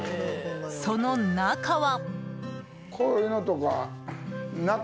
その中は。